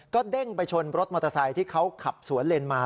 ก็เด้งไปชนรถมอเตอร์ไซค์ที่เขาขับสวนเลนมา